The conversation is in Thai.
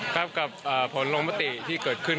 ภาพกับเหลิกพอลงมตรีที่เกิดขึ้น